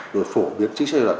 rồi phổ biến trí xây luật